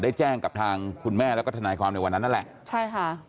ได้แจ้งกับทางคุณแม่และทนายความในวันนั้นนั่นแหละ